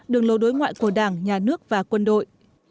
đường lối đối ngoại của đảng nhà nước và quân đội